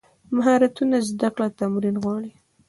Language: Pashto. مهارتونه زده کړه تمرین غواړي.